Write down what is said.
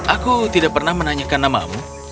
aku tidak pernah menanyakan namamu